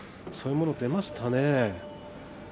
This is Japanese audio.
そういったものが出ましたね。